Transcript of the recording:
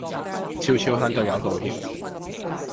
俏俏向隊友道歉